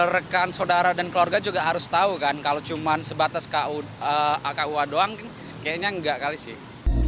rekan saudara dan keluarga juga harus tahu kan kalau cuma sebatas kua doang kan kayaknya enggak kali sih